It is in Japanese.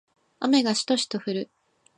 雨がしとしと降る